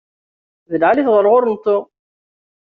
D lεali-t ɣer ɣur-nteɣ.